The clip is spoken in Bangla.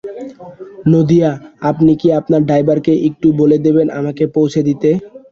নদিয়া, আপনি কি আপনার ড্রাইভারকে একটু বলে দেবেন আমাকে পৌঁছে দিতে?